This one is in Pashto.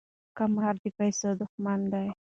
قمار د پیسو دښمن دی.